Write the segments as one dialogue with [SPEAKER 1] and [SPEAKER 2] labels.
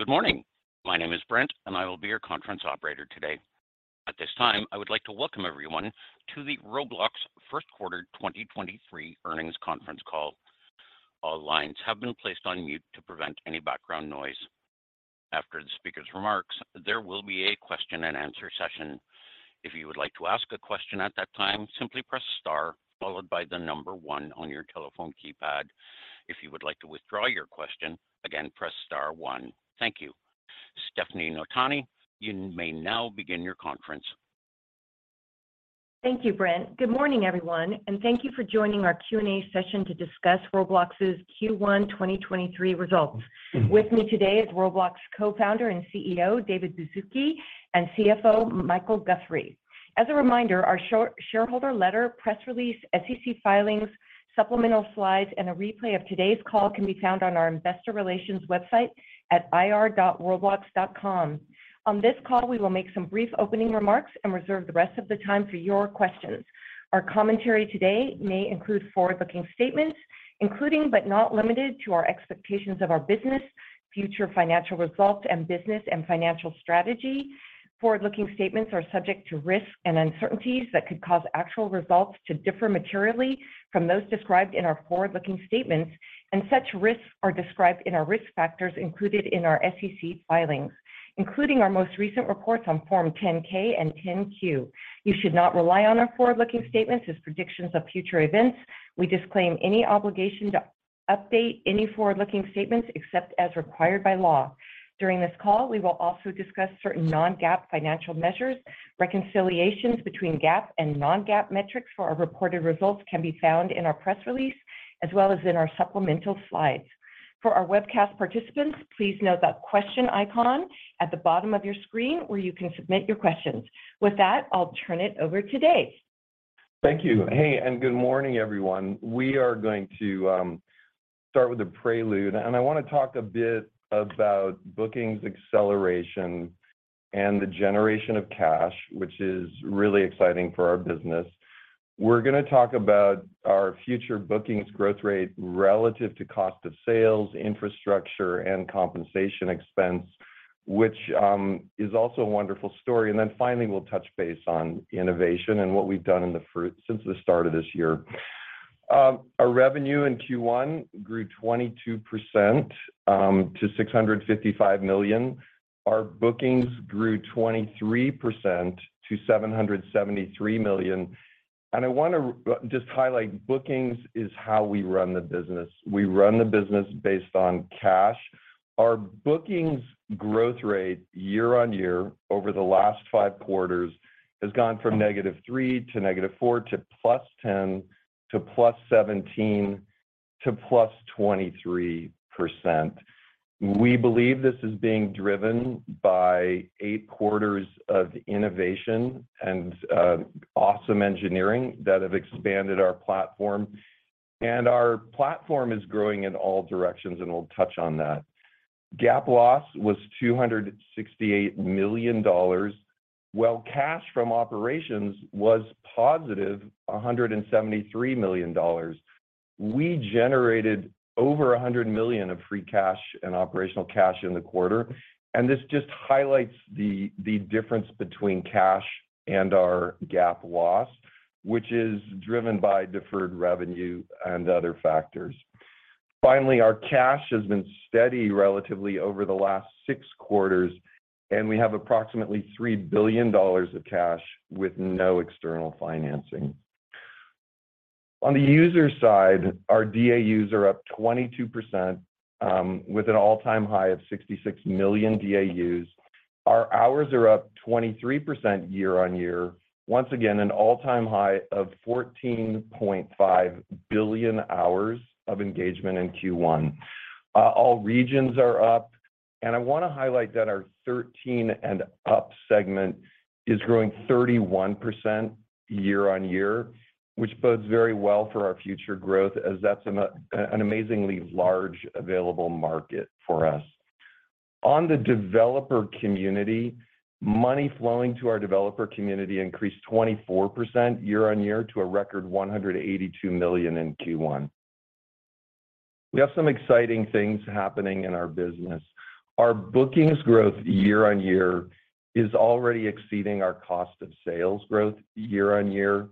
[SPEAKER 1] Good morning. My name is Brent. I will be your conference operator today. At this time, I would like to welcome everyone to the Roblox First Quarter 2023 Earnings Conference Call. All lines have been placed on mute to prevent any background noise. After the speaker's remarks, there will be a question and answer session. If you would like to ask a question at that time, simply press star followed by 1 on your telephone keypad. If you would like to withdraw your question, again, press star 1. Thank you. Stefanie Notaney, you may now begin your conference.
[SPEAKER 2] Thank you, Brent. Good morning, everyone, and thank you for joining our Q&A session to discuss Roblox's Q1 2023 results. With me today is Roblox co-founder and CEO, David Baszucki, and CFO, Michael Guthrie. As a reminder, our shareholder letter, press release, SEC filings, supplemental slides, and a replay of today's call can be found on our investor relations website at ir.roblox.com. On this call, we will make some brief opening remarks and reserve the rest of the time for your questions. Our commentary today may include forward-looking statements, including, but not limited to our expectations of our business, future financial results, and business and financial strategy. Forward-looking statements are subject to risks and uncertainties that could cause actual results to differ materially from those described in our forward-looking statements. Such risks are described in our risk factors included in our SEC filings, including our most recent reports on Form 10-K and Form 10-Q. You should not rely on our forward-looking statements as predictions of future events. We disclaim any obligation to update any forward-looking statements except as required by law. During this call, we will also discuss certain non-GAAP financial measures. Reconciliations between GAAP and non-GAAP metrics for our reported results can be found in our press release, as well as in our supplemental slides. For our webcast participants, please note that question icon at the bottom of your screen where you can submit your questions. With that, I'll turn it over to David.
[SPEAKER 3] Thank you. Hey, and good morning, everyone. We are going to start with a prelude, I want to talk a bit about bookings acceleration and the generation of cash, which is really exciting for our business. We're going to talk about our future bookings growth rate relative to cost of sales, infrastructure, and compensation expense, which is also a wonderful story. Finally, we'll touch base on innovation and what we've done since the start of this year. Our revenue in Q1 grew 22% to $655 million. Our bookings grew 23% to $773 million. I want to just highlight, bookings is how we run the business. We run the business based on cash. Our bookings growth rate year-over-year over the last five quarters has gone from -3% to -4% to +10% to +17% to +23%. We believe this is being driven by eight quarters of innovation and awesome engineering that have expanded our platform. Our platform is growing in all directions, and we'll touch on that. GAAP loss was $268 million, while cash from operations was positive $173 million. We generated over $100 million of free cash and operational cash in the quarter, this just highlights the difference between cash and our GAAP loss, which is driven by deferred revenue and other factors. Finally, our cash has been steady relatively over the last six quarters, and we have approximately $3 billion of cash with no external financing. On the user side, our DAUs are up 22%, with an all-time high of 66 million DAUs. Our hours are up 23% year-on-year. Once again, an all-time high of 14.5 billion hours of engagement in Q1. All regions are up. I want to highlight that our 13 and up segment is growing 31% year-on-year, which bodes very well for our future growth as that's an amazingly large available market for us. On the developer community, money flowing to our developer community increased 24% year-on-year to a record $182 million in Q1. We have some exciting things happening in our business. Our bookings growth year-on-year is already exceeding our cost of sales growth year-on-year,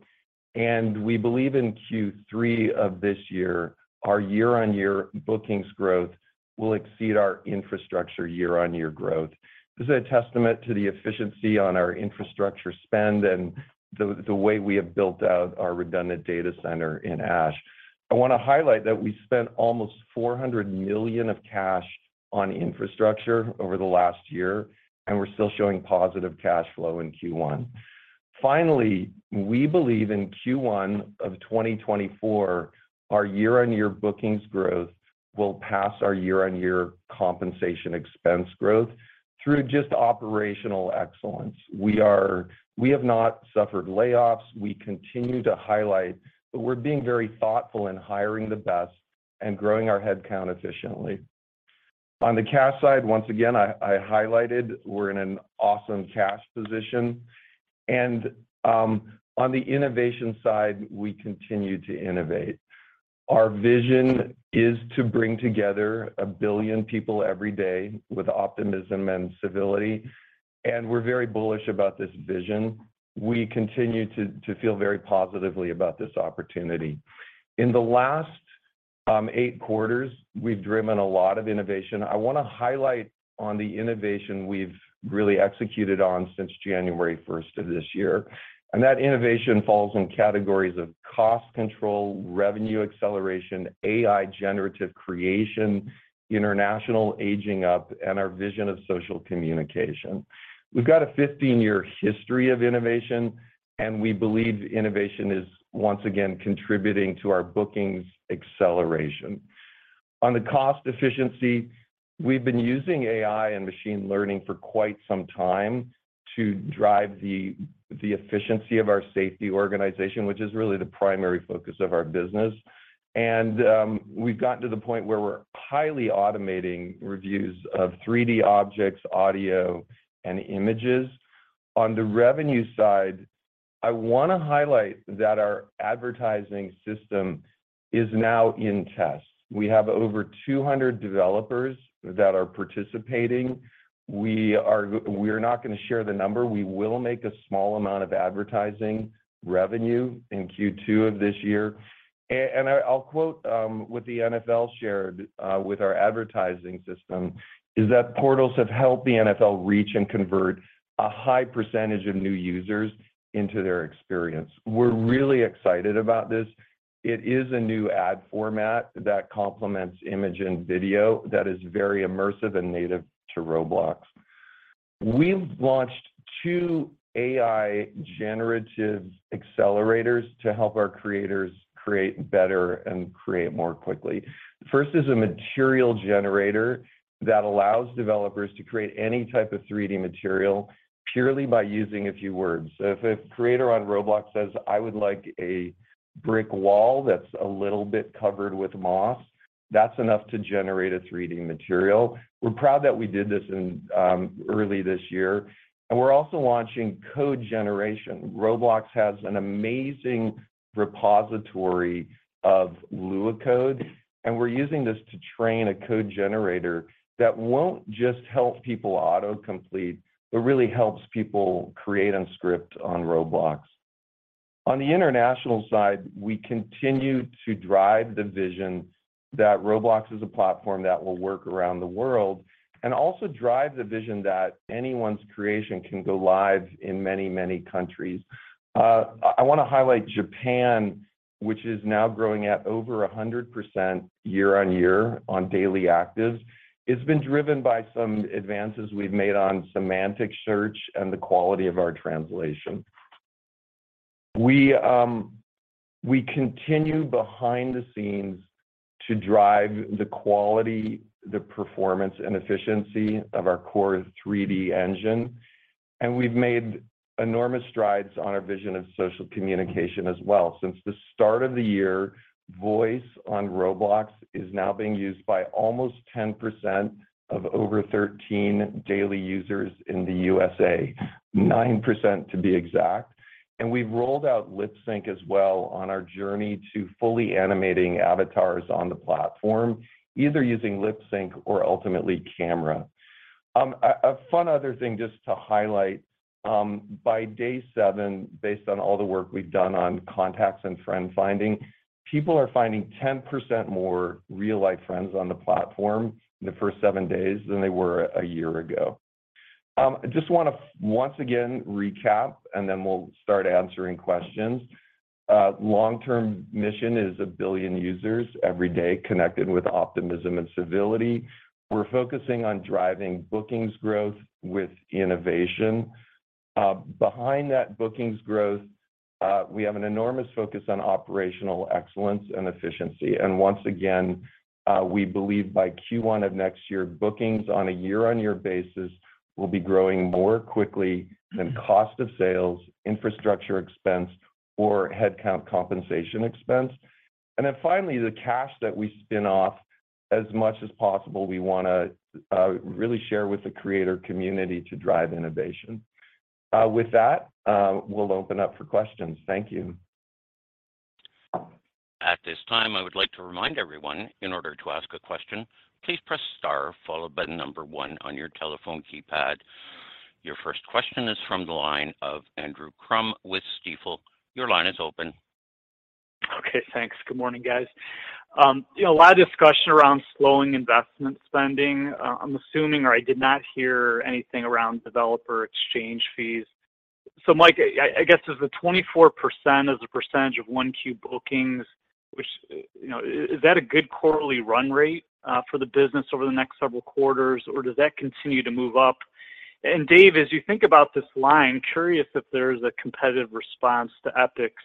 [SPEAKER 3] and we believe in Q3 of this year, our year-on-year bookings growth will exceed our infrastructure year-on-year growth. This is a testament to the efficiency on our infrastructure spend and the way we have built out our redundant data center in Ashburn. I want to highlight that we spent almost $400 million of cash on infrastructure over the last year, and we're still showing positive cash flow in Q1. Finally, we believe in Q1 of 2024, our year-on-year bookings growth will pass our year-on-year compensation expense growth through just operational excellence. We have not suffered layoffs. We continue to highlight that we're being very thoughtful in hiring the best and growing our headcount efficiently. On the cash side, once again, I highlighted we're in an awesome cash position. On the innovation side, we continue to innovate. Our vision is to bring together a billion people every day with optimism and civility, and we're very bullish about this vision. We continue to feel very positively about this opportunity. In the last 8 quarters, we've driven a lot of innovation. I wanna highlight on the innovation we've really executed on since January 1st of this year. That innovation falls in categories of cost control, revenue acceleration, AI generative creation, international aging up, and our vision of social communication. We've got a 15-year history of innovation. We believe innovation is once again contributing to our bookings acceleration. On the cost efficiency, we've been using AI and machine learning for quite some time to drive the efficiency of our safety organization, which is really the primary focus of our business. We've gotten to the point where we're highly automating reviews of 3-D objects, audio, and images. On the revenue side, I wanna highlight that our advertising system is now in test. We have over 200 developers that are participating. We're not gonna share the number. We will make a small amount of advertising revenue in Q2 of this year. I'll quote what the NFL shared with our advertising system is that portals have helped the NFL reach and convert a high percentage of new users into their experience. We're really excited about this. It is a new ad format that complements image and video that is very immersive and native to Roblox. We've launched two AI generative accelerators to help our creators create better and create more quickly. First is a material generator that allows developers to create any type of three-D material purely by using a few words. If a creator on Roblox says, "I would like a brick wall that's a little bit covered with moss," that's enough to generate a three-D material. We're proud that we did this in early this year. We're also launching code generation. Roblox has an amazing repository of Lua code, and we're using this to train a code generator that won't just help people auto-complete, but really helps people create and script on Roblox. On the international side, we continue to drive the vision that Roblox is a platform that will work around the world and also drive the vision that anyone's creation can go live in many, many countries. I wanna highlight Japan, which is now growing at over 100% year-on-year on daily actives. It's been driven by some advances we've made on semantic search and the quality of our translation. We continue behind the scenes to drive the quality, the performance, and efficiency of our core 3D engine, and we've made enormous strides on our vision of social communication as well. Since the start of the year, Voice on Roblox is now being used by almost 10% of over 13 daily users in the USA, 9% to be exact. We've rolled out lip sync as well on our journey to fully animating avatars on the platform, either using lip sync or ultimately Camera. A fun other thing just to highlight, by day 7, based on all the work we've done on contacts and friend-finding, people are finding 10% more real-life friends on the platform in the first 7 days than they were a year ago. I just wanna once again recap, and then we'll start answering questions. Our long-term mission is 1 billion users every day connected with optimism and civility. We're focusing on driving bookings growth with innovation. Behind that bookings growth, we have an enormous focus on operational excellence and efficiency. Once again, we believe by Q1 of next year, bookings on a year-on-year basis will be growing more quickly than cost of sales, infrastructure expense, or headcount compensation expense. Finally, the cash that we spin off, as much as possible, we wanna really share with the creator community to drive innovation. With that, we'll open up for questions. Thank you.
[SPEAKER 1] At this time, I would like to remind everyone, in order to ask a question, please press star followed by 1 on your telephone keypad. Your first question is from the line of Drew Crum with Stifel. Your line is open.
[SPEAKER 4] Okay, thanks. Good morning, guys. you know, a lot of discussion around slowing investment spending. I'm assuming or I did not hear anything around Developer Exchange fees. Mike, I guess as the 24% is the percentage of 1Q bookings, which, you know, is that a good quarterly run rate for the business over the next several quarters, or does that continue to move up? Dave, as you think about this line, curious if there's a competitive response to Epic's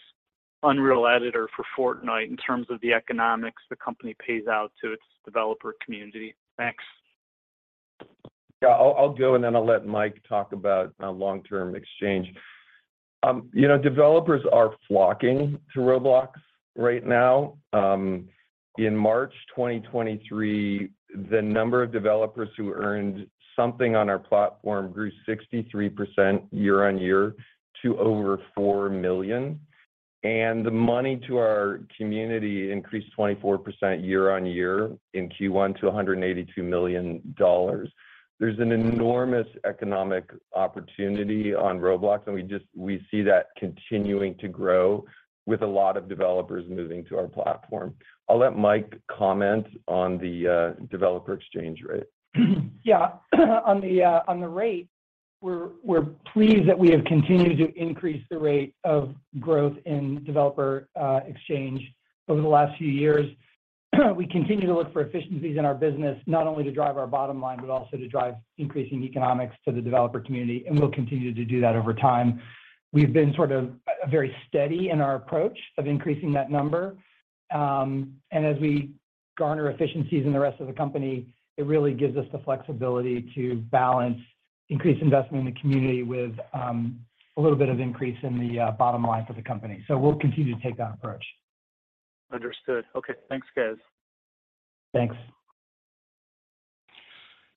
[SPEAKER 4] Unreal Editor for Fortnite in terms of the economics the company pays out to its developer community. Thanks.
[SPEAKER 3] Yeah. I'll go, and then I'll let Mike talk about long-term exchange. In March 2023, the number of developers who earned something on our platform grew 63% year on year to over 4 million. The money to our community increased 24% year on year in Q1 to $182 million. There's an enormous economic opportunity on Roblox, and we see that continuing to grow with a lot of developers moving to our platform. I'll let Michael comment on the developer exchange rate.
[SPEAKER 5] Yeah. On the rate, we're pleased that we have continued to increase the rate of growth in Developer Exchange over the last few years. We continue to look for efficiencies in our business, not only to drive our bottom line, but also to drive increasing economics to the developer community, we'll continue to do that over time. We've been sort of very steady in our approach of increasing that number. As we garner efficiencies in the rest of the company, it really gives us the flexibility to balance increased investment in the community with a little bit of increase in the bottom line for the company. We'll continue to take that approach.
[SPEAKER 6] Understood. Okay, thanks, guys.
[SPEAKER 5] Thanks.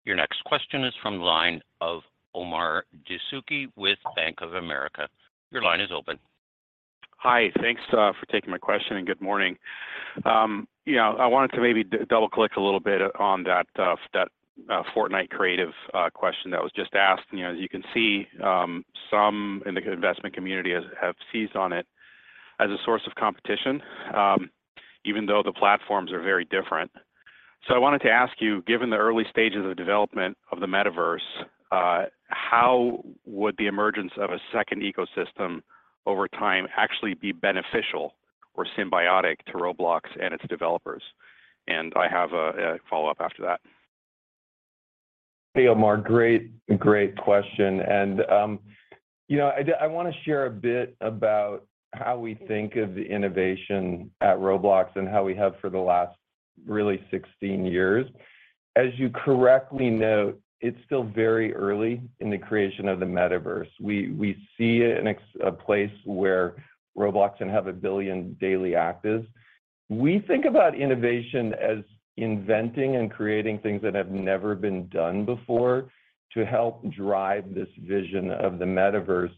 [SPEAKER 1] Your next question is from the line of Omar Dessouky with Bank of America. Your line is open.
[SPEAKER 7] Hi. Thanks for taking my question. Good morning. Yeah, I wanted to maybe double-click a little bit on that Fortnite Creative question that was just asked. You know, as you can see, some in the investment community have seized on it as a source of competition, even though the platforms are very different. I wanted to ask you, given the early stages of development of the metaverse, how would the emergence of a second ecosystem over time actually be beneficial or symbiotic to Roblox and its developers? I have a follow-up after that.
[SPEAKER 3] Hey, Omar. Great question. I wanna share a bit about how we think of the innovation at Roblox and how we have for the last really 16 years. As you correctly note, it's still very early in the creation of the metaverse. We see it in a place where Roblox can have a billion daily actives. We think about innovation as inventing and creating things that have never been done before to help drive this vision of the metaverse.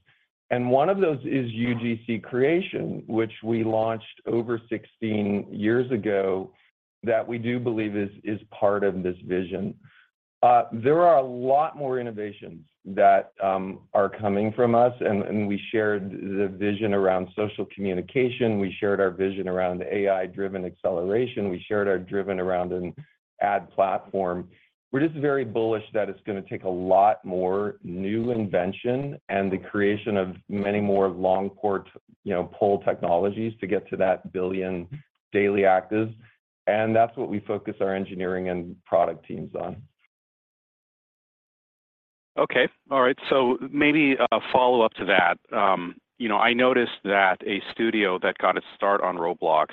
[SPEAKER 3] One of those is UGC creation, which we launched over 16 years ago, that we do believe is part of this vision. There are a lot more innovations that are coming from us, and we shared the vision around social communication, we shared our vision around AI-driven acceleration, we shared our driven around an ad platform. We're just very bullish that it's gonna take a lot more new invention and the creation of many more long port, you know, pole technologies to get to that billion daily actives, and that's what we focus our engineering and product teams on.
[SPEAKER 7] Okay. All right. Maybe a follow-up to that. You know, I noticed that a studio that got its start on Roblox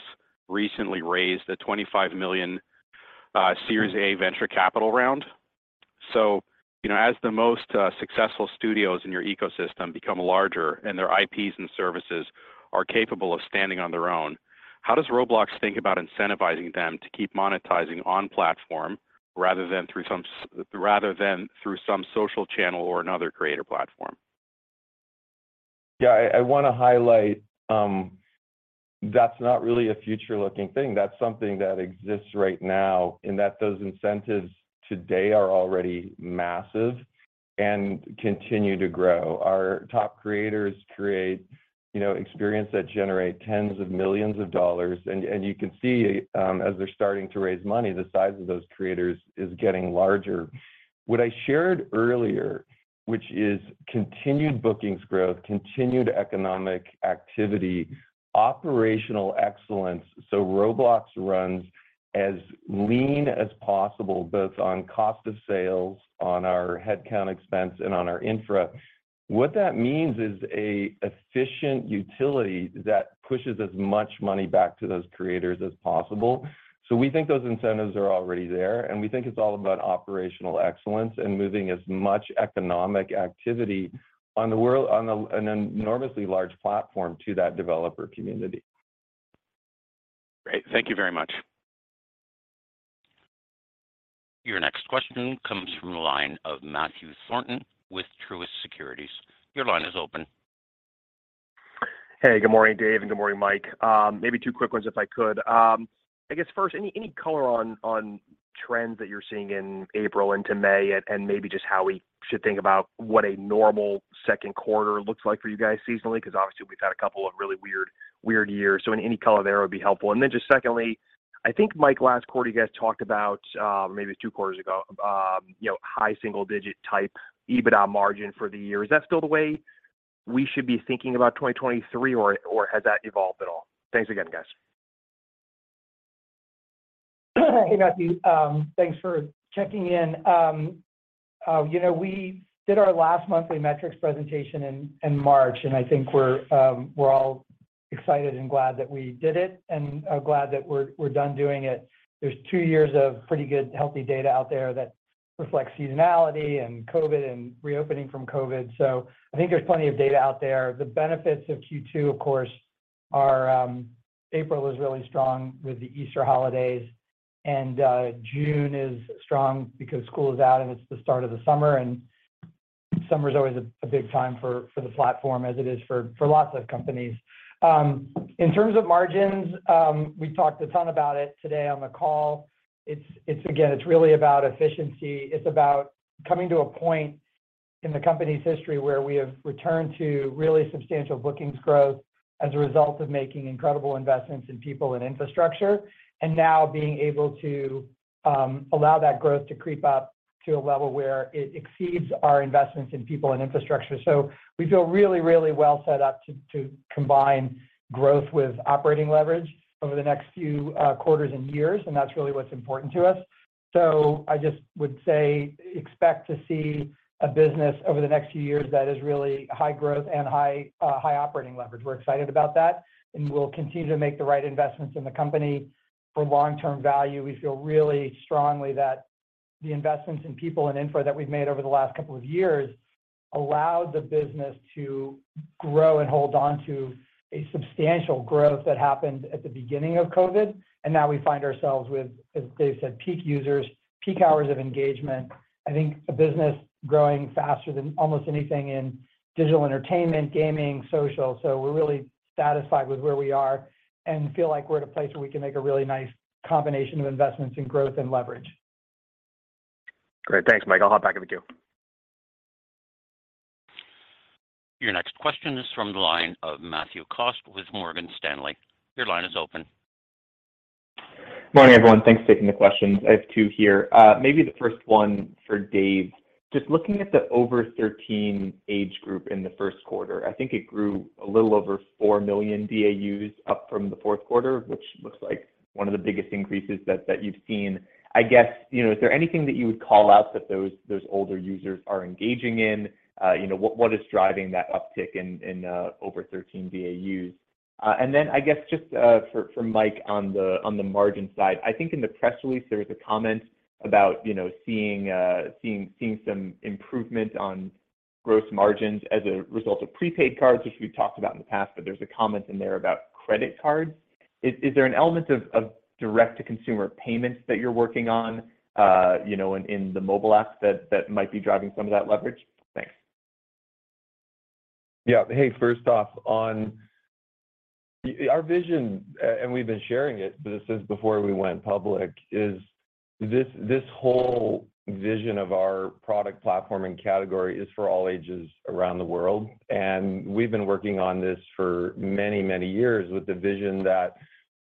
[SPEAKER 7] recently raised a $25 million Series A venture capital round. You know, as the most successful studios in your ecosystem become larger and their IPs and services are capable of standing on their own, how does Roblox think about incentivizing them to keep monetizing on platform rather than through some social channel or another greater platform?
[SPEAKER 3] Yeah. I wanna highlight, that's not really a future-looking thing. That's something that exists right now, and that those incentives today are already massive and continue to grow. Our top creators create, you know, experience that generate tens of millions of dollars. You can see, as they're starting to raise money, the size of those creators is getting larger. What I shared earlier, which is continued bookings growth, continued economic activity, operational excellence, Roblox runs as lean as possible, both on cost of sales, on our headcount expense, and on our infra. What that means is a efficient utility that pushes as much money back to those creators as possible. We think those incentives are already there, and we think it's all about operational excellence and moving as much economic activity on an enormously large platform to that developer community.
[SPEAKER 7] Great. Thank you very much.
[SPEAKER 1] Your next question comes from the line of Matthew Thornton with Truist Securities. Your line is open.
[SPEAKER 8] Hey. Good morning, David, and good morning, Michael. Maybe two quick ones if I could. I guess first, any color on trends that you're seeing in April into May and maybe just how we should think about what a normal second quarter looks like for you guys seasonally? 'Cause obviously we've had a couple of really weird years. Any color there would be helpful. Just secondly, I think, Michael, last quarter you guys talked about, maybe two quarters ago, you know, high single digit type EBITDA margin for the year. Is that still the way we should be thinking about 2023, or has that evolved at all? Thanks again, guys.
[SPEAKER 3] Hey, Matthew. Thanks for checking in. You know, we did our last monthly metrics presentation in March, and I think we're all excited and glad that we did it and glad that we're done doing it. There's 2 years of pretty good healthy data out there that
[SPEAKER 5] Reflect seasonality and COVID and reopening from COVID. I think there's plenty of data out there. The benefits of Q2, of course, are, April is really strong with the Easter holidays, and June is strong because school is out, and it's the start of the summer, and summer is always a big time for the platform as it is for lots of companies. In terms of margins, we talked a ton about it today on the call. It's again, it's really about efficiency. It's about coming to a point in the company's history where we have returned to really substantial bookings growth as a result of making incredible investments in people and infrastructure, and now being able to allow that growth to creep up to a level where it exceeds our investments in people and infrastructure. We feel really well set up to combine growth with operating leverage over the next few quarters and years, and that's really what's important to us. I just would say expect to see a business over the next few years that is really high growth and high operating leverage. We're excited about that, and we'll continue to make the right investments in the company for long-term value. We feel really strongly that the investments in people and info that we've made over the last 2 years allow the business to grow and hold on to a substantial growth that happened at the beginning of COVID. Now we find ourselves with, as Dave said, peak users, peak hours of engagement. I think a business growing faster than almost anything in digital entertainment, gaming, social. We're really satisfied with where we are and feel like we're at a place where we can make a really nice combination of investments in growth and leverage. Great. Thanks, Michael. I'll hop back in the queue.
[SPEAKER 1] Your next question is from the line of Matthew Cost with Morgan Stanley. Your line is open.
[SPEAKER 9] Morning, everyone. Thanks for taking the questions. I have two here. Maybe the first one for David. Just looking at the over 13 age group in the first quarter, I think it grew a little over 4 million DAUs up from the fourth quarter, which looks like one of the biggest increases that you've seen. I guess, you know, is there anything that you would call out that those older users are engaging in? You know, what is driving that uptick in over 13 DAUs? I guess just from Michael on the margin side. I think in the press release, there was a comment about, you know, seeing some improvement on gross margins as a result of prepaid cards, which we've talked about in the past, but there's a comment in there about credit cards. Is there an element of direct-to-consumer payments that you're working on, you know, in the mobile apps that might be driving some of that leverage? Thanks.
[SPEAKER 3] Yeah. Hey, first off, on our vision, and we've been sharing it since before we went public, is this whole vision of our product platform and category is for all ages around the world. We've been working on this for many, many years with the vision that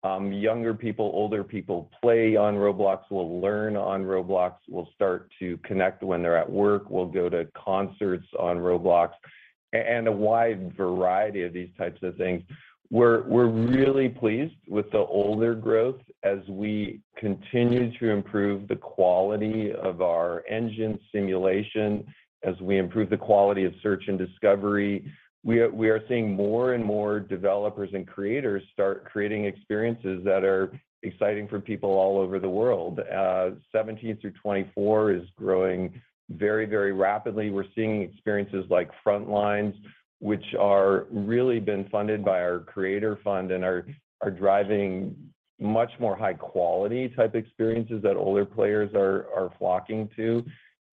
[SPEAKER 3] younger people, older people play on Roblox, will learn on Roblox, will start to connect when they're at work, will go to concerts on Roblox, and a wide variety of these types of things. We're really pleased with the older growth as we continue to improve the quality of our engine simulation, as we improve the quality of search and discovery. We are seeing more and more developers and creators start creating experiences that are exciting for people all over the world. 17 through 24 is growing very, very rapidly. We're seeing experiences like FRONTLINES, which are really been funded by our Creator Fund and are driving much more high-quality type experiences that older players are flocking to.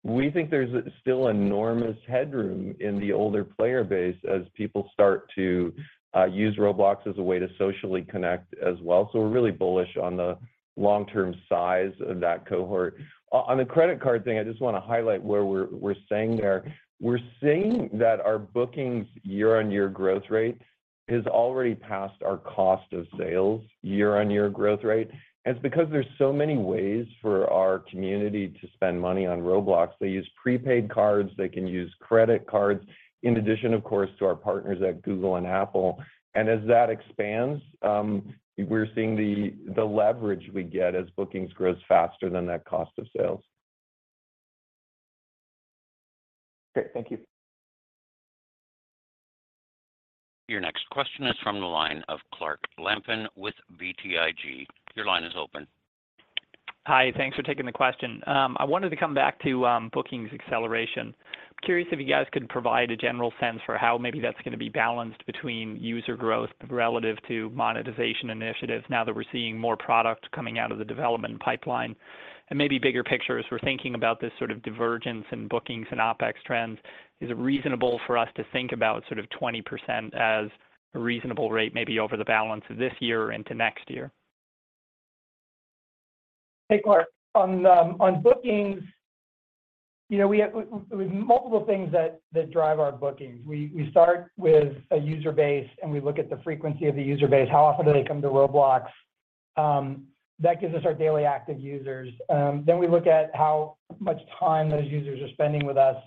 [SPEAKER 3] We think there's still enormous headroom in the older player base as people start to use Roblox as a way to socially connect as well. We're really bullish on the long-term size of that cohort. On the credit card thing, I just wanna highlight where we're saying there. We're saying that our bookings year-over-year growth rate has already passed our cost of sales year-over-year growth rate. It's because there's so many ways for our community to spend money on Roblox. They use prepaid cards, they can use credit cards, in addition, of course, to our partners at Google and Apple. As that expands, we're seeing the leverage we get as bookings grows faster than that cost of sales.
[SPEAKER 9] Great. Thank you.
[SPEAKER 1] Your next question is from the line of Clark Lampen with BTIG. Your line is open.
[SPEAKER 10] Hi. Thanks for taking the question. I wanted to come back to bookings acceleration. Curious if you guys could provide a general sense for how maybe that's gonna be balanced between user growth relative to monetization initiatives now that we're seeing more product coming out of the development pipeline? Maybe bigger picture, as we're thinking about this sort of divergence in bookings and OpEx trends, is it reasonable for us to think about sort of 20% as a reasonable rate, maybe over the balance of this year into next year? Hey, Clark. On bookings, you know, we have with multiple things that drive our bookings. We start with a user base, and we look at the frequency of the user base, how often do they come to Roblox, that gives us our daily active users.
[SPEAKER 5] We look at how much time those users are spending with us,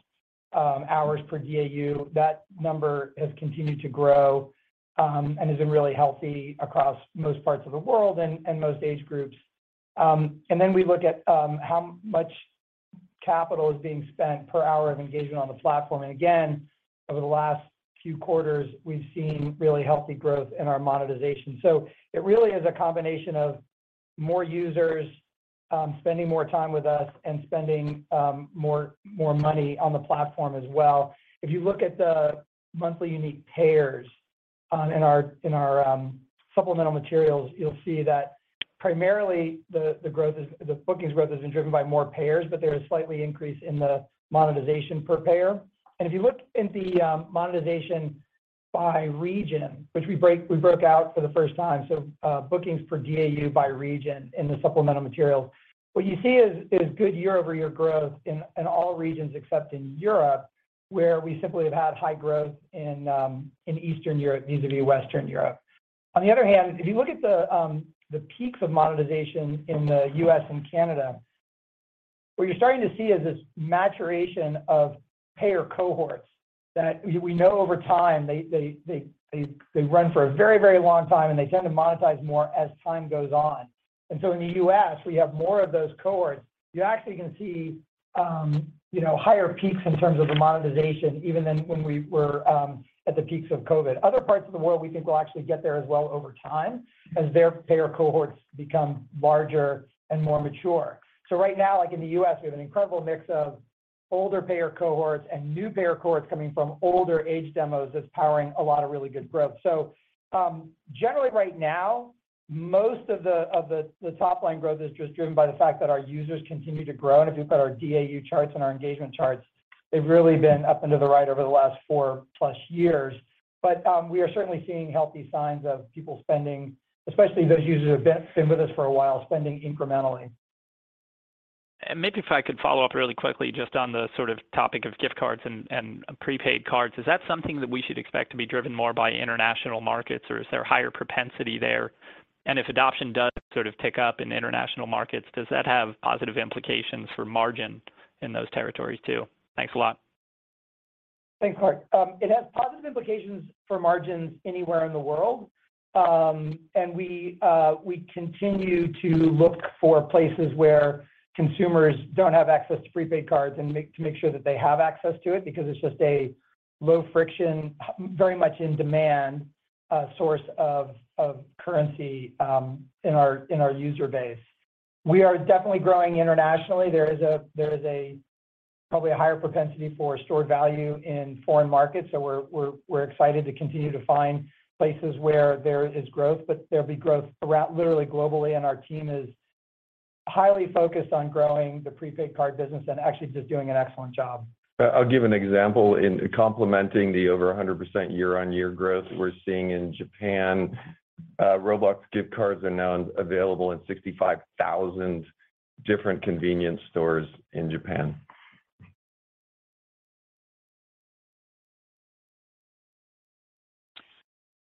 [SPEAKER 5] hours per DAU. That number has continued to grow and has been really healthy across most parts of the world and most age groups. We look at how much capital is being spent per hour of engagement on the platform. Again, over the last few quarters, we've seen really healthy growth in our monetization. It really is a combination of more users spending more time with us and spending more money on the platform as well. If you look at the monthly unique payers in our supplemental materials, you'll see that primarily the bookings growth has been driven by more payers, but there is slightly increase in the monetization per payer. If you look in the monetization by region, which we broke out for the first time, bookings for DAU by region in the supplemental materials, what you see is good year-over-year growth in all regions except in Europe, where we simply have had high growth in Eastern Europe vis-a-vis Western Europe. On the other hand, if you look at the peaks of monetization in the U.S. and Canada, what you're starting to see is this maturation of payer cohorts that we know over time they run for a very, very long time, and they tend to monetize more as time goes on. In the U.S., we have more of those cohorts. You actually can see, you know, higher peaks in terms of the monetization even than when we were at the peaks of COVID. Other parts of the world, we think will actually get there as well over time as their payer cohorts become larger and more mature. Right now, like in the US, we have an incredible mix of older payer cohorts and new payer cohorts coming from older age demos that's powering a lot of really good growth. Generally right now, most of the top line growth is just driven by the fact that our users continue to grow. If you put our DAU charts and our engagement charts, they've really been up into the right over the last 4+ years. We are certainly seeing healthy signs of people spending, especially those users that been with us for a while, spending incrementally.
[SPEAKER 10] Maybe if I could follow up really quickly just on the sort of topic of gift cards and prepaid cards. Is that something that we should expect to be driven more by international markets, or is there higher propensity there? And if adoption does sort of pick up in international markets, does that have positive implications for margin in those territories too? Thanks a lot.
[SPEAKER 5] Thanks, Clark. It has positive implications for margins anywhere in the world. We continue to look for places where consumers don't have access to prepaid cards and to make sure that they have access to it because it's just a low friction, very much in demand, source of currency in our user base. We are definitely growing internationally. There is a probably a higher propensity for stored value in foreign markets, so we're excited to continue to find places where there is growth, but there'll be growth around literally globally, and our team is highly focused on growing the prepaid card business and actually just doing an excellent job.
[SPEAKER 3] I'll give an example in complementing the over 100% year-over-year growth we're seeing in Japan. Roblox gift cards are now available in 65,000 different convenience stores in Japan.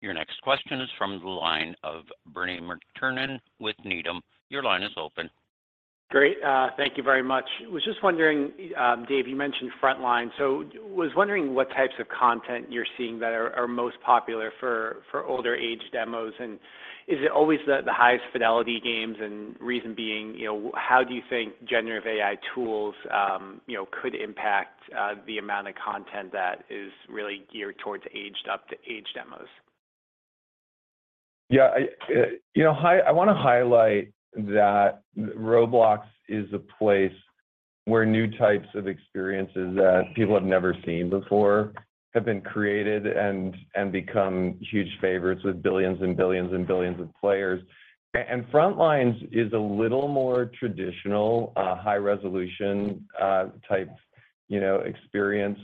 [SPEAKER 1] Your next question is from the line of Bernie McTernan with Needham. Your line is open.
[SPEAKER 11] Great. Thank you very much. Was just wondering, David, you mentioned FRONTLINES. Was wondering what types of content you're seeing that are most popular for older age demos, and is it always the highest fidelity games? Reason being, you know, how do you think generative AI tools, you know, could impact the amount of content that is really geared towards aged up to age demos?
[SPEAKER 3] Yeah. I, you know, I wanna highlight that Roblox is a place where new types of experiences that people have never seen before have been created and become huge favorites with billions and billions and billions of players. Frontlines is a little more traditional, high resolution, type, you know, experience.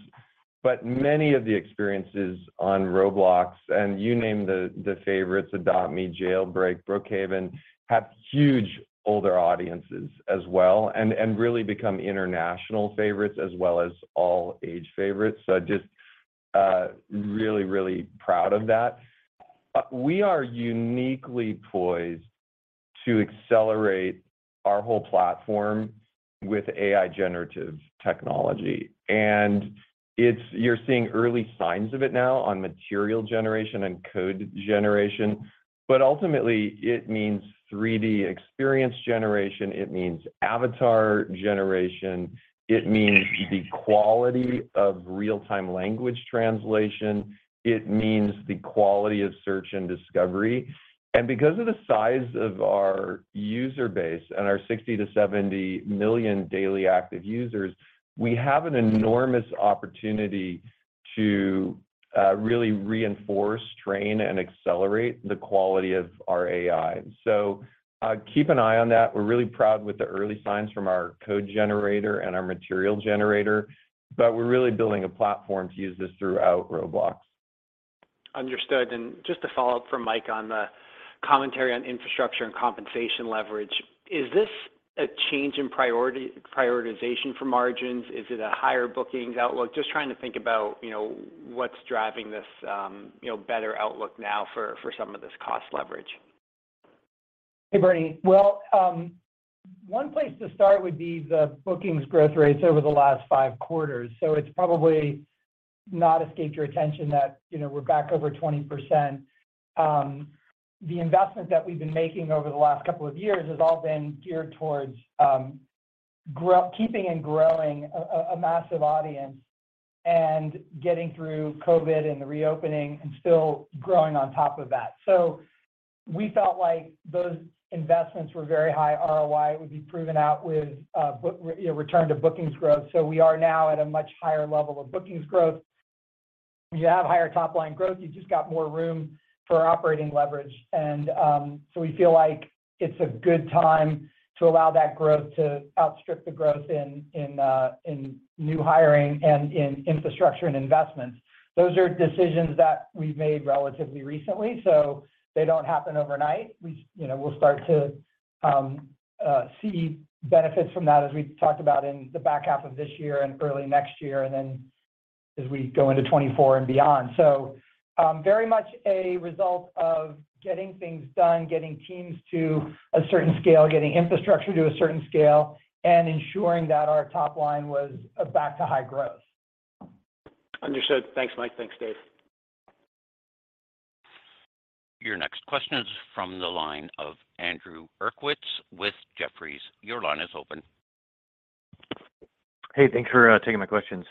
[SPEAKER 3] Many of the experiences on Roblox, and you name the favorites, Adopt Me, Jailbreak, Brookhaven, have huge older audiences as well, and really become international favorites as well as all age favorites. Just really proud of that. We are uniquely poised to accelerate our whole platform with AI generative technology. You're seeing early signs of it now on material generation and code generation. Ultimately, it means 3D experience generation, it means avatar generation, it means the quality of real-time language translation, it means the quality of search and discovery. Because of the size of our user base and our 60 million-70 million daily active users, we have an enormous opportunity to really reinforce, train, and accelerate the quality of our AI. Keep an eye on that. We're really proud with the early signs from our code generator and our material generator, but we're really building a platform to use this throughout Roblox.
[SPEAKER 11] Understood. Just to follow up for Michael on the commentary on infrastructure and compensation leverage, is this a change in prioritization for margins? Is it a higher bookings outlook? Just trying to think about, you know, what's driving this, you know, better outlook now for some of this cost leverage.
[SPEAKER 5] Hey, Bernie. Well, one place to start would be the bookings growth rates over the last five quarters. It's probably not escaped your attention that, you know, we're back over 20%. The investment that we've been making over the last couple of years has all been geared towards keeping and growing a massive audience and getting through COVID and the reopening and still growing on top of that. We felt like those investments were very high ROI. It would be proven out with, you know, return to bookings growth. We are now at a much higher level of bookings growth. If you have higher top-line growth, you've just got more room for operating leverage. We feel like it's a good time to allow that growth to outstrip the growth in new hiring and in infrastructure and investments. Those are decisions that we've made relatively recently, so they don't happen overnight. We, you know, we'll start to see benefits from that as we talked about in the back half of this year and early next year and then as we go into 2024 and beyond. Very much a result of getting things done, getting teams to a certain scale, getting infrastructure to a certain scale, and ensuring that our top line was back to high growth.
[SPEAKER 1] Understood. Thanks, Mike. Thanks, David. Your next question is from the line of Andrew Uerkwitz with Jefferies. Your line is open.
[SPEAKER 6] Hey, thanks for taking my questions.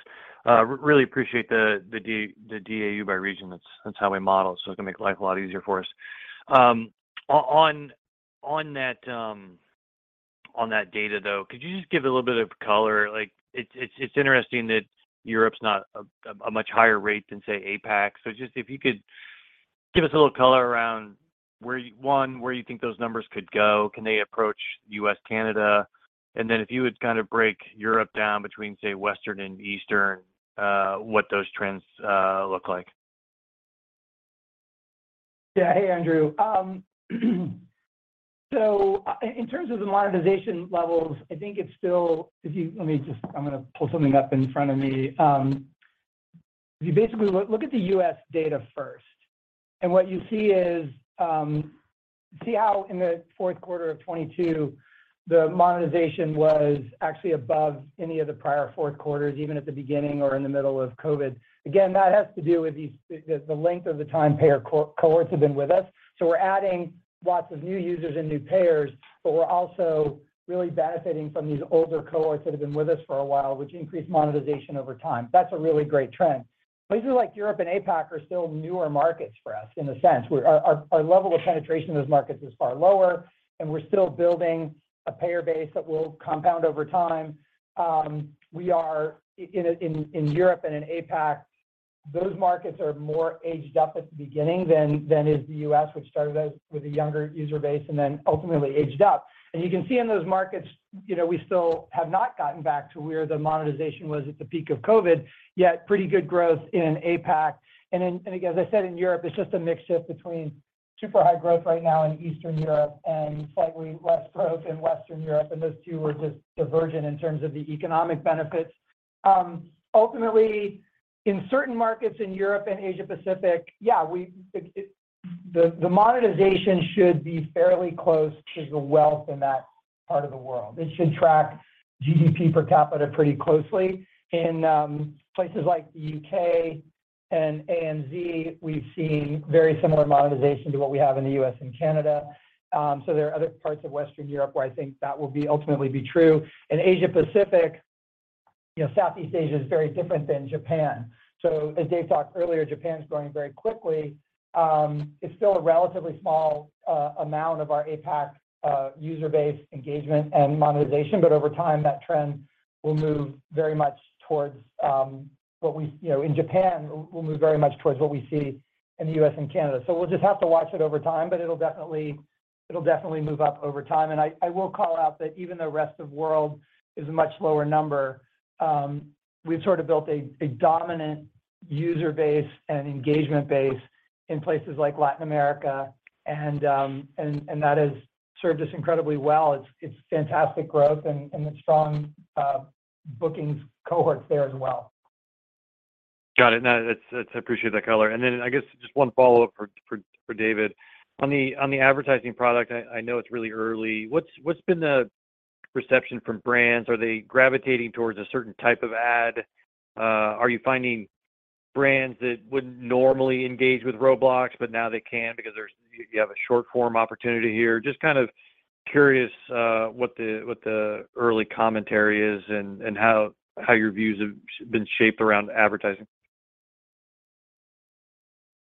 [SPEAKER 6] really appreciate the DAU by region. That's how we model, so it can make life a lot easier for us. on that data, though, could you just give a little bit of color? Like, it's interesting that Europe's not a much higher rate than, say, APAC. Just if you could give us a little color around one, where you think those numbers could go. Can they approach US, Canada? If you would kinda break Europe down between, say, Western and Eastern, what those trends look like.
[SPEAKER 5] Hey, Andrew. In terms of the monetization levels, I think it's still... If you let me just pull something up in front of me. If you basically look at the U.S. data first, what you see is, see how in the fourth quarter of 2022, the monetization was actually above any of the prior fourth quarters, even at the beginning or in the middle of COVID. Again, that has to do with the length of the time payer cohorts have been with us. We're adding lots of new users and new payers, but we're also really benefiting from these older cohorts that have been with us for a while, which increase monetization over time. That's a really great trend. Places like Europe and APAC are still newer markets for us in a sense, where our level of penetration in those markets is far lower, and we're still building a payer base that will compound over time. We are in Europe and in APAC, those markets are more aged up at the beginning than is the U.S., which started as with a younger user base and then ultimately aged up. You can see in those markets, you know, we still have not gotten back to where the monetization was at the peak of COVID, yet pretty good growth in APAC. Again, as I said, in Europe, it's just a mix shift between super high growth right now in Eastern Europe and slightly less growth in Western Europe, and those two were just divergent in terms of the economic benefits. Ultimately, in certain markets in Europe and Asia Pacific, the monetization should be fairly close to the wealth in that part of the world. It should track GDP per capita pretty closely. In places like the UK and ANZ, we've seen very similar monetization to what we have in the US and Canada. There are other parts of Western Europe where I think that will be ultimately be true. In Asia Pacific, you know, Southeast Asia is very different than Japan. As Dave talked earlier, Japan's growing very quickly. It's still a relatively small amount of our APAC user base engagement and monetization, but over time, that trend will move very much towards what we, you know, in Japan, will move very much towards what we see in the US and Canada. We'll just have to watch it over time, but it'll definitely move up over time. I will call out that even the rest of world is a much lower number. We've sort of built a dominant user base and engagement base in places like Latin America and that has served us incredibly well. It's fantastic growth and it's strong bookings cohorts there as well.
[SPEAKER 6] Got it. No, I appreciate that color. Then I guess just one follow-up for David. On the advertising product, I know it's really early. What's been the perception from brands? Are they gravitating towards a certain type of ad? Are you finding brands that wouldn't normally engage with Roblox, but now they can because you have a short form opportunity here? Just kind of curious what the early commentary is and how your views have been shaped around advertising.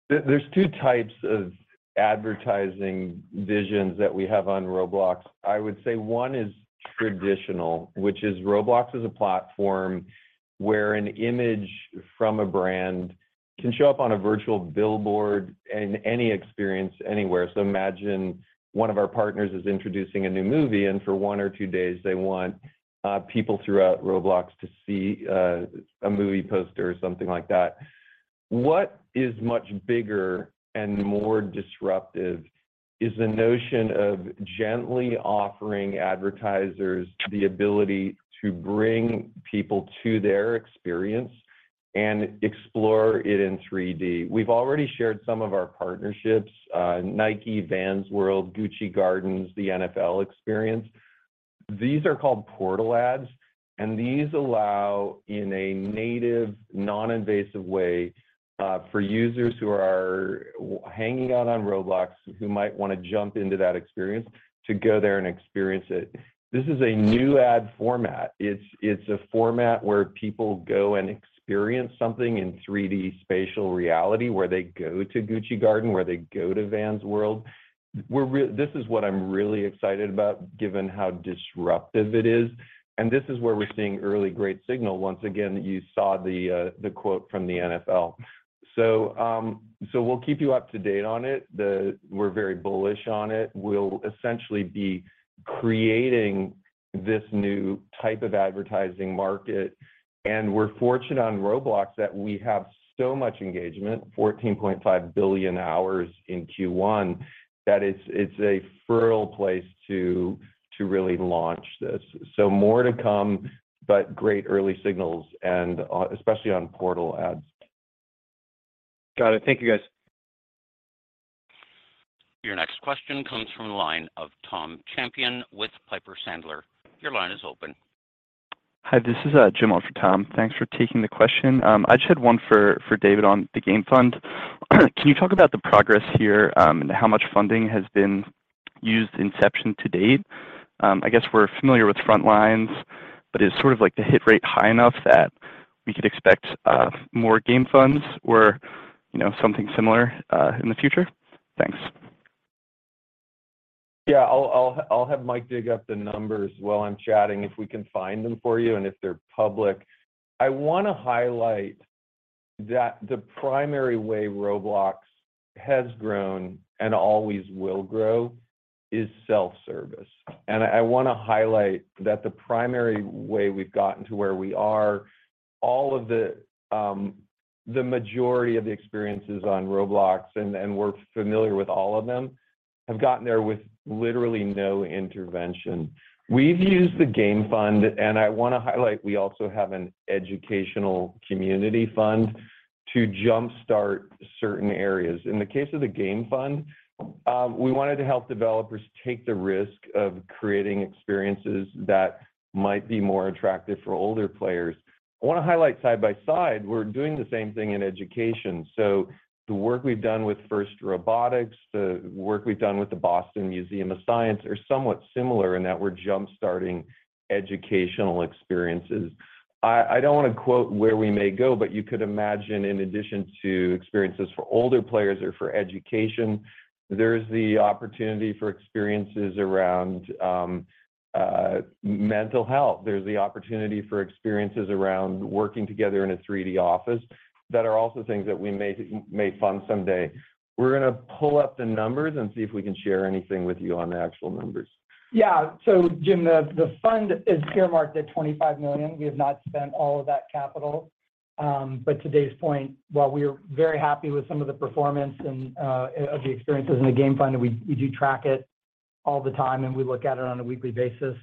[SPEAKER 3] There's two types of advertising visions that we have on Roblox. I would say one is traditional, which is Roblox is a platform where an image from a brand can show up on a virtual billboard in any experience anywhere. Imagine one of our partners is introducing a new movie, and for one or two days, they want people throughout Roblox to see a movie poster or something like that. What is much bigger and more disruptive is the notion of gently offering advertisers the ability to bring people to their experience and explore it in 3D. We've already shared some of our partnerships, Nike, Vans World, Gucci Garden, the NFL Tycoon. These are called Portal Ads. These allow in a native non-invasive way, for users who are hanging out on Roblox, who might wanna jump into that experience to go there and experience it. This is a new ad format. It's a format where people go and experience something in 3D spatial reality, where they go to Gucci Garden, where they go to Vans World. This is what I'm really excited about, given how disruptive it is, and this is where we're seeing early great signal. Once again, you saw the quote from the NFL. So we'll keep you up to date on it. We're very bullish on it. We'll essentially be creating this new type of advertising market, and we're fortunate on Roblox that we have so much engagement, 14.5 billion hours in Q1, that it's a fertile place to really launch this. More to come, great early signals and especially on Portal Ads.
[SPEAKER 1] Got it. Thank you, guys. Your next question comes from the line of Tom Champion with Piper Sandler. Your line is open.
[SPEAKER 12] Hi, this is Jim on for Tom. Thanks for taking the question. I just had one for David on the Game Fund. Can you talk about the progress here, and how much funding has been used inception to date? I guess we're familiar with FRONTLINES, but is sort of like the hit rate high enough that we could expect more Game Funds or, you know, something similar in the future? Thanks.
[SPEAKER 3] Yeah. I'll have Mike dig up the numbers while I'm chatting if we can find them for you and if they're public. I wanna highlight that the primary way Roblox has grown and always will grow is self-service. I wanna highlight that the primary way we've gotten to where we are, all of the majority of the experiences on Roblox, and we're familiar with all of them, have gotten there with literally no intervention. We've used the Game Fund. I wanna highlight we also have an educational community fund to jumpstart certain areas. In the case of the Game Fund, we wanted to help developers take the risk of creating experiences that might be more attractive for older players. I wanna highlight side by side, we're doing the same thing in education. The work we've done with FIRST Robotics, the work we've done with the Museum of Science, Boston are somewhat similar in that we're jump-starting educational experiences. I don't wanna quote where we may go, but you could imagine in addition to experiences for older players or for education, there's the opportunity for experiences around mental health. There's the opportunity for experiences around working together in a 3D office that are also things that we may fund someday. We're gonna pull up the numbers and see if we can share anything with you on the actual numbers.
[SPEAKER 5] Yeah. Jim, the fund is earmarked at $25 million. We have not spent all of that capital. To Dave's point, while we're very happy with some of the performance and of the experiences in the Game Fund, and we do track it all the time and we look at it on a weekly basis,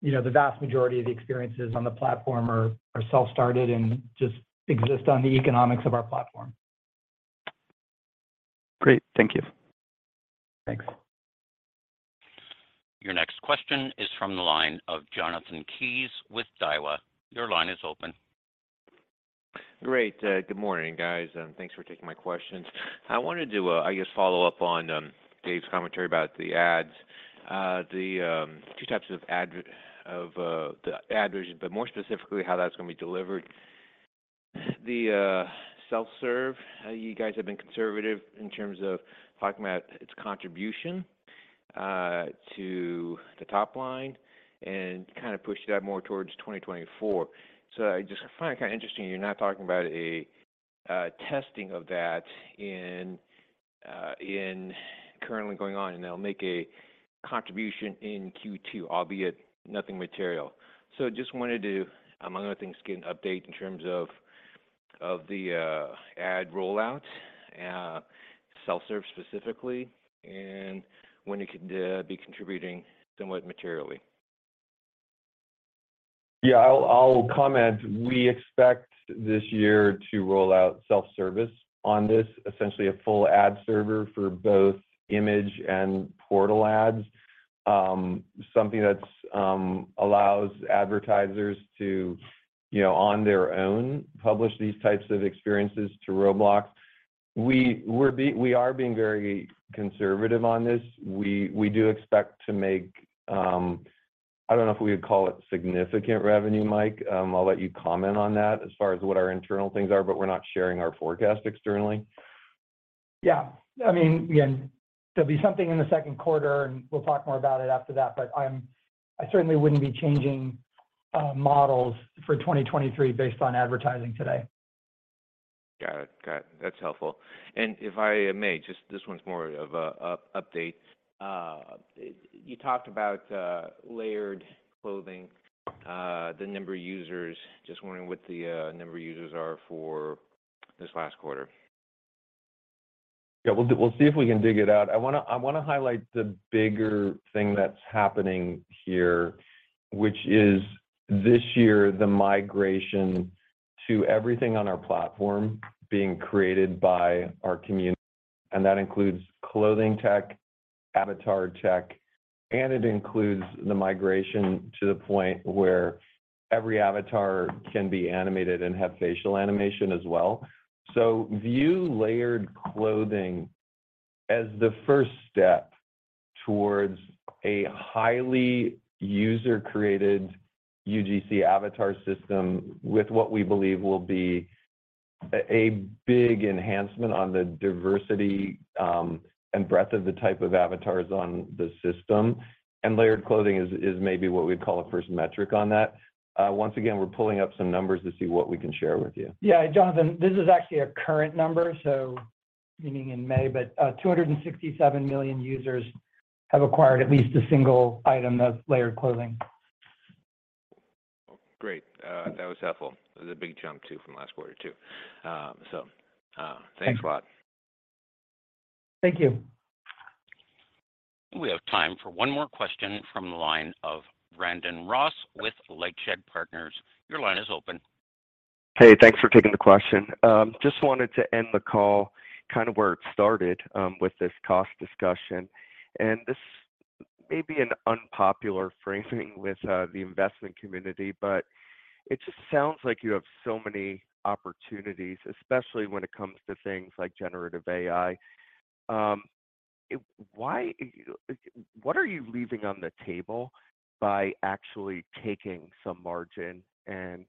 [SPEAKER 5] you know, the vast majority of the experiences on the platform are self-started and just exist on the economics of our platform.
[SPEAKER 12] Great. Thank you.
[SPEAKER 3] Thanks.
[SPEAKER 1] Your next question is from the line of Jonathan Kees with Daiwa. Your line is open.
[SPEAKER 13] Great. Good morning, guys, thanks for taking my questions. I wanted to, I guess, follow up on David's commentary about the ads. The two types of the adverts, more specifically how that's going to be delivered. The self-serve, you guys have been conservative in terms of talking about its contribution to the top line and kind of pushed that more towards 2024. I just find it kind of interesting you're not talking about a testing of that and currently going on, and that'll make a contribution in Q2, albeit nothing material. Just wanted to, among other things, get an update in terms of the ad rollout, self-serve specifically, and when it could be contributing somewhat materially.
[SPEAKER 3] Yeah. I'll comment. We expect this year to roll out self-service on this, essentially a full ad server for both image and Portal Ads, something that allows advertisers to, you know, on their own, publish these types of experiences to Roblox. We are being very conservative on this. We, we do expect to make, I don't know if we would call it significant revenue, Michael. I'll let you comment on that as far as what our internal things are, but we're not sharing our forecast externally.
[SPEAKER 5] Yeah. I mean, again, there'll be something in the second quarter. We'll talk more about it after that. I certainly wouldn't be changing models for 2023 based on advertising today.
[SPEAKER 13] Got it. Got it. That's helpful. If I may, just this one's more of a update. You talked about Layered Clothing, the number of users. Just wondering what the number of users are for this last quarter.
[SPEAKER 3] Yeah. We'll see if we can dig it out. I wanna highlight the bigger thing that's happening here, which is this year, the migration to everything on our platform being created by our community, and that includes clothing techAvatar tech, and it includes the migration to the point where every avatar can be animated and have facial animation as well. View Layered Clothing as the first step towards a highly user-created UGC avatar system with what we believe will be a big enhancement on the diversity and breadth of the type of avatars on the system. Layered Clothing is maybe what we'd call a first metric on that. Once again, we're pulling up some numbers to see what we can share with you.
[SPEAKER 5] Yeah, Jonathan, this is actually a current number, so meaning in May. 267 million users have acquired at least a single item of Layered Clothing.
[SPEAKER 3] Great. That was helpful. It was a big jump too from last quarter too. Thanks a lot.
[SPEAKER 5] Thank you.
[SPEAKER 1] We have time for one more question from the line of Brandon Ross with LightShed Partners. Your line is open.
[SPEAKER 14] Hey, thanks for taking the question. Just wanted to end the call kind of where it started, with this cost discussion. This may be an unpopular framing with the investment community, but it just sounds like you have so many opportunities, especially when it comes to things like generative AI. What are you leaving on the table by actually taking some margin and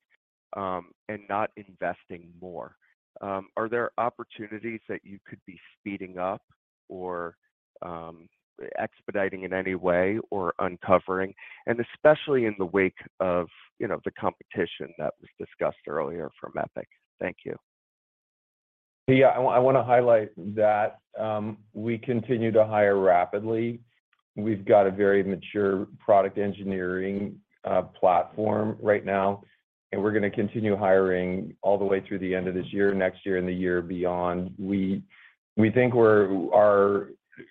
[SPEAKER 14] not investing more? Are there opportunities that you could be speeding up or expediting in any way or uncovering, and especially in the wake of, you know, the competition that was discussed earlier from Epic? Thank you.
[SPEAKER 3] Yeah. I wanna highlight that, we continue to hire rapidly. We've got a very mature product engineering platform right now, we're gonna continue hiring all the way through the end of this year, next year, and the year beyond. We think our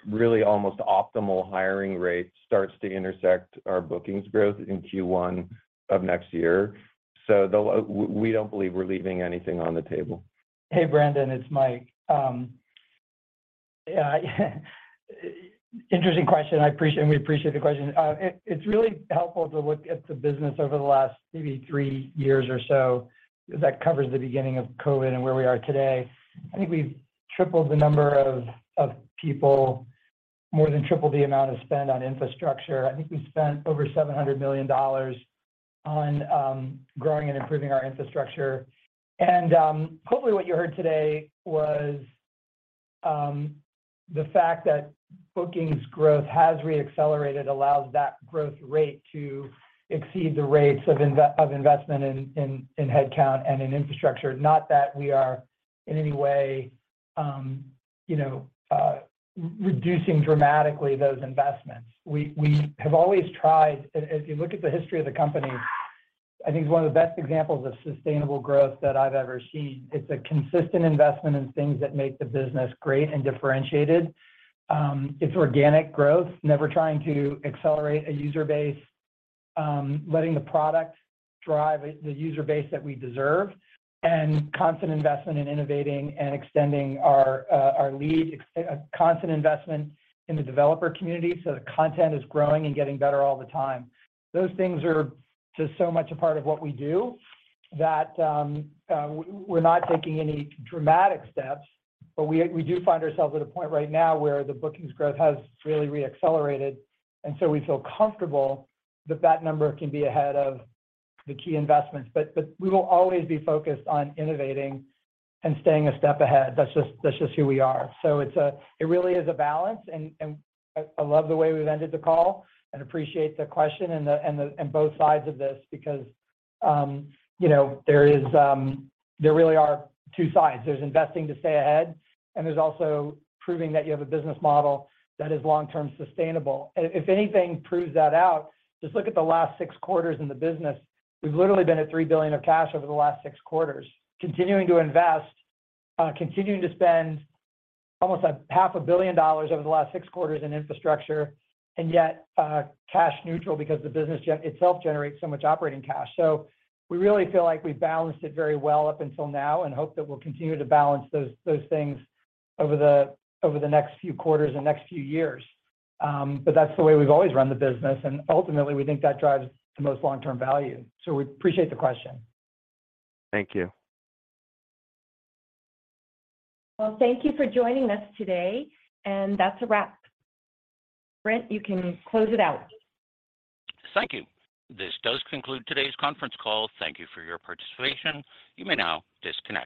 [SPEAKER 3] really almost optimal hiring rate starts to intersect our bookings growth in Q1 of next year. We don't believe we're leaving anything on the table.
[SPEAKER 5] Hey, Brandon, it's Michael. Yeah, interesting question. We appreciate the question. It's really helpful to look at the business over the last maybe three years or so that covers the beginning of COVID and where we are today. I think we've tripled the number of people, more than tripled the amount of spend on infrastructure. I think we've spent over $700 million on growing and improving our infrastructure. Hopefully, what you heard today was the fact that bookings growth has re-accelerated, allows that growth rate to exceed the rates of investment in headcount and in infrastructure. Not that we are in any way, you know, reducing dramatically those investments. We have always tried. If you look at the history of the company, I think it's one of the best examples of sustainable growth that I've ever seen. It's a consistent investment in things that make the business great and differentiated. It's organic growth, never trying to accelerate a user base, letting the product drive the user base that we deserve, and constant investment in innovating and extending our constant investment in the developer community so the content is growing and getting better all the time. Those things are just so much a part of what we do that we're not taking any dramatic steps, but we do find ourselves at a point right now where the bookings growth has really re-accelerated, so we feel comfortable that that number can be ahead of the key investments. We will always be focused on innovating and staying a step ahead. That's just who we are. It really is a balance, and I love the way we've ended the call and appreciate the question and the and both sides of this because, you know, there is, there really are two sides. There's investing to stay ahead, and there's also proving that you have a business model that is long-term sustainable. If anything proves that out, just look at the last six quarters in the business. We've literally been at $3 billion of cash over the last six quarters, continuing to invest, continuing to spend almost a half a billion dollars over the last six quarters in infrastructure, and yet, cash neutral because the business itself generates so much operating cash. We really feel like we've balanced it very well up until now and hope that we'll continue to balance those things over the next few quarters and next few years. That's the way we've always run the business, and ultimately, we think that drives the most long-term value. We appreciate the question.
[SPEAKER 14] Thank you.
[SPEAKER 5] Well, thank you for joining us today, and that's a wrap. Brent, you can close it out.
[SPEAKER 1] Thank you. This does conclude today's conference call. Thank you for your participation. You may now disconnect.